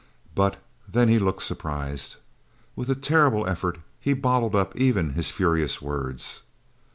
But then he looked surprised. With a terrible effort, he bottled up even his furious words.